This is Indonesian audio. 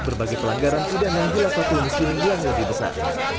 berbagai pelanggaran tidak nanggirat fatul muslimin yang lebih besar